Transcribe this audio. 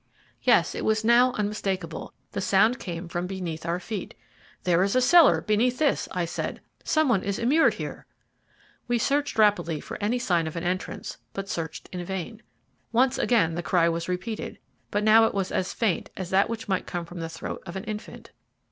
Yes, it was now unmistakable the sound came from beneath our feet. "There is a cellar beneath this," I said; "some one is immured here." We searched rapidly for any sign of an entrance, but searched in vain. Once again the cry was repeated, but now it was as faint as that which might come from the throat of an infant.